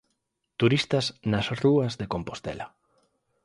Turistas nas rúas de Compostela.